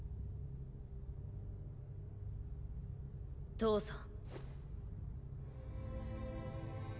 父さん。